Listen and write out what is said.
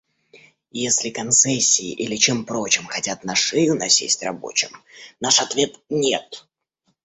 Если концессией или чем прочим хотят на шею насесть рабочим, — наш ответ: нет!